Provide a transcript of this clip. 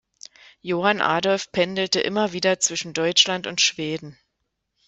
Johann Adolf pendelte immer wieder zwischen Deutschland und Schweden.